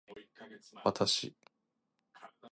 私